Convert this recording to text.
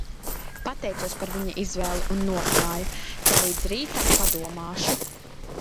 Pateicos par viņa izvēli un norunāju, ka līdz rītam padomāšu.